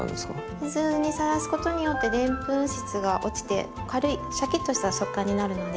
水にさらすことによってでんぷん質が落ちて軽いシャキッとした食感になるので。